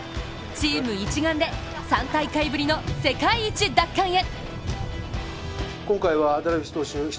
チーム一丸で３大会ぶりの世界一奪還へ。